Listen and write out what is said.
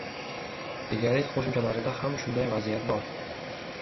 Egalik qoʻshimchalarida ham shunday vaziyat bor